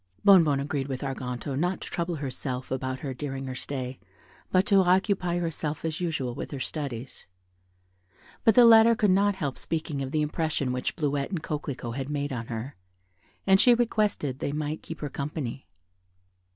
Bonnebonne agreed with Arganto not to trouble herself about her during her stay, but to occupy herself as usual with her studies; but the latter could not help speaking of the impression which Bleuette and Coquelicot had made on her, and she requested they might keep her company.